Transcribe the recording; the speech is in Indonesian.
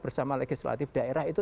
bersama legislatif daerah